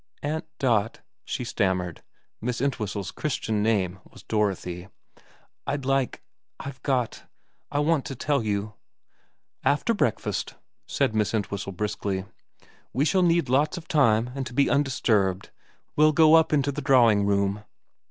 * Aunt Dot,' she stammered Miss Entwhistle's 86 VERA vm Christian name was Dorothy, 'I'd like I've got I want to tell you '' After breakfast,' said Miss Entwhistle briskly. ' We shall need lots of time, and to be undisturbed. We'll go up into the drawing room.'